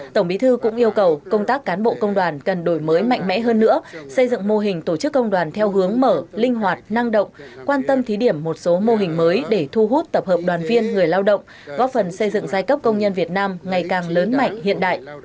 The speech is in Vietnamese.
tổng bí thư cũng yêu cầu công tác cán bộ công đoàn cần đổi mới mạnh mẽ hơn nữa xây dựng mô hình tổ chức công đoàn theo hướng mở linh hoạt năng động quan tâm thí điểm một số mô hình mới để thu hút tập hợp đoàn viên người lao động góp phần xây dựng giai cấp công nhân việt nam ngày càng lớn mạnh hiện đại